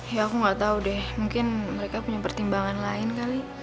ya aku nggak tahu deh mungkin mereka punya pertimbangan lain kali